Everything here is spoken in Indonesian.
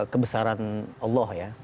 kebesaran allah ya